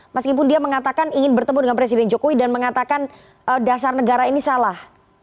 meskipun dia mengatakan ingin bertemu dengan presiden jokowi dan mengatakan dasar negara ini salah